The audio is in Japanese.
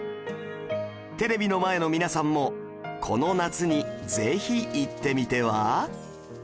テレビの前の皆さんもこの夏にぜひ行ってみては？